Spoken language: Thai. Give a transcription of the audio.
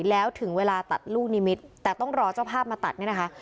แล้วถึงเวลาตัดลูกนิมิตรแต่ต้องรอเจ้าภาพมาตัดเนี่ยนะคะ